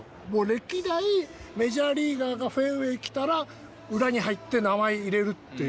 歴代メジャーリーガーがフェンウェイ来たら裏に入って名前入れるっていう。